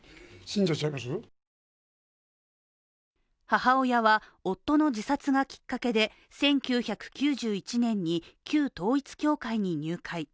母親は夫の自殺がきっかけで１９９１年に旧統一教会に入会。